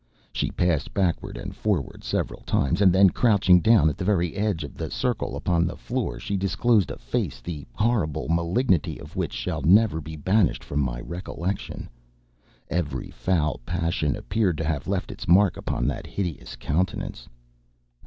She passed backward and forward several times, and then, crouching down at the very edge of the circle upon the floor, she disclosed a face the horrible malignity of which shall never be banished from my recollection. Every foul passion appeared to have left its mark upon that hideous countenance.